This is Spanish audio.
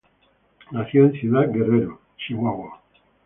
Nacido en Ciudad Guerrero, Chihuahua.